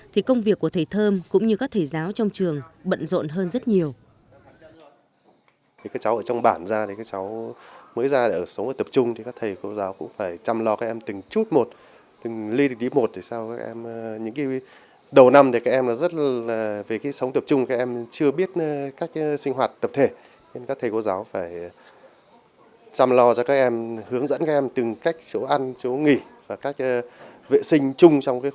thì công việc của thầy thơm cũng như các thầy giáo trong trường bận rộn hơn rất nhiều